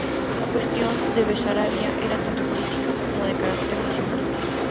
La cuestión de Besarabia era tanto política como de carácter nacional.